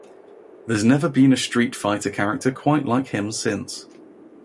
There's never been a Street Fighter character quite like him since.